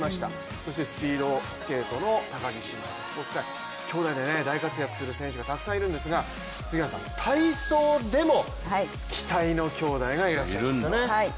そしてスピードスケートの高木姉妹のお二人きょうだいで大活躍する選手がたくさんいるんですが、体操でも期待の兄弟がいらっしゃるんですよね。